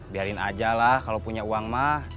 biarin aja lah kalau punya uang mah